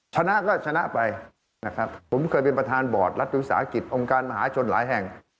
ชนะก็ชนะไปนะครับผมเคยเป็นประธานบอร์ดรัฐวิสาหกิจองค์การมหาชนหลายแห่ง